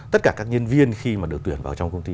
tất cả các nhân viên khi mà được tuyển vào trong công ty